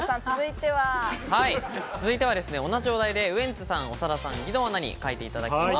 続いては、同じお題でウエンツさん、長田さん、義堂アナに書いていただきます。